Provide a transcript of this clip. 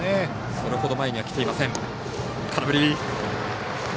それほど前にはきていません。